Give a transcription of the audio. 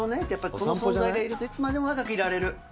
この存在がいるといつまでも若くいられる。